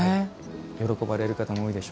喜ばれる方も多いでしょうから。